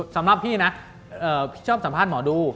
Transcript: สำหรับพี่นะพี่ชอบสัมภาษณ์หมอดู